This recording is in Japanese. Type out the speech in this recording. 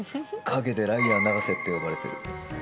陰でライアー永瀬って呼ばれてる。